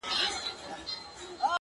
نه په طبیب سي نه په دعا سي!